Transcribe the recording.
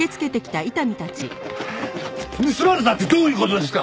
盗まれたってどういう事ですか！？